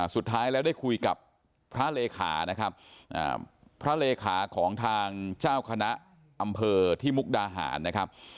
สุดท้ายแล้วได้คุยกับพระเลขานะครับพระเลขาของทางเจ้าคณะอำเภอที่มุกดาหารนะครับ